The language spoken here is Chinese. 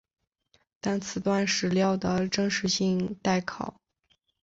但此段史料的真实性待考。